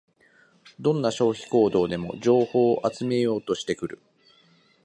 どんな消費行動でも情報を集めようとしてくる